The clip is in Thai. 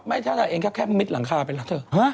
ไม่ใช่เรายังรจาแม่น้ำ